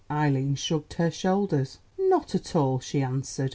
Eileen shrugged her shoulders. "Not at all," she answered.